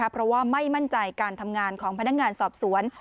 เพราะว่าไม่มั่นใจการทำงานของพนักงานสอบสวน